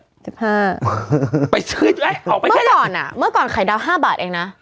สิบห้าไปซื้อไอ้ออกไปเท่าไหร่เมื่อก่อนอ่ะเมื่อก่อนไข่ดาวห้าบาทเองน่ะ